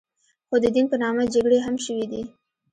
خو د دین په نامه جګړې هم شوې دي.